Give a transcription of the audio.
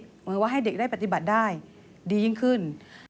เหมือนกับว่าให้เด็กได้ปฏิบัติได้ดียิ่งขึ้น